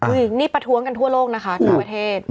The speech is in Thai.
อุ้ยนี่ประท้วงกันทั่วโลกนะคะสหรัฐประเทศ